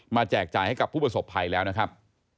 แจกจ่ายให้กับผู้ประสบภัยแล้วนะครับ